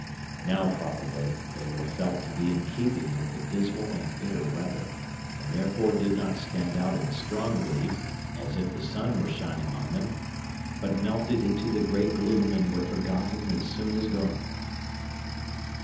Now, probably, they were felt to be in keeping with the dismal and bitter weather, and therefore did not stand out in strong relief, as if the sun were shining on them, but melted into the gray gloom and were forgotten as soon as gone.